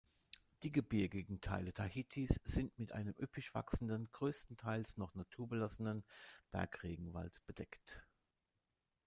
Die gebirgigen Teile Tahitis sind mit einem üppig wachsenden, größtenteils noch naturbelassenen Bergregenwald bedeckt.